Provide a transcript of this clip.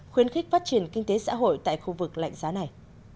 khuyến khích phát triển kinh tế xã hội tại khu vực lạnh giá này